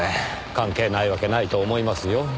関係ないわけないと思いますよ。